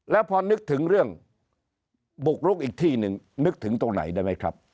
แล้วพอนึกถึงเรื่องบุกลุกอีกที่หนึ่งนึกถึงตรงไหนได้ไหมครับ